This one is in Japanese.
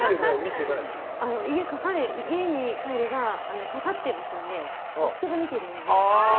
家に帰ればかかってますんで夫が見てるんですよ。